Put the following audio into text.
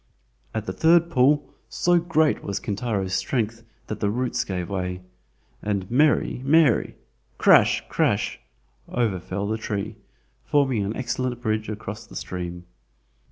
At the third pull, so great was Kintaro's strength that the roots gave way, and "meri, meri" (crash, crash), over fell the tree, forming an excellent bridge across the stream.